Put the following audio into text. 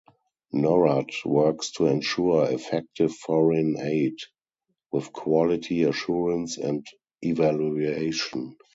Norad works to ensure effective foreign aid, with quality assurance and evaluation.